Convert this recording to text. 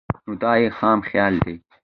نو دا ئې خام خيالي ده